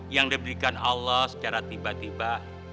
yang diberikan allah secara tiba tiba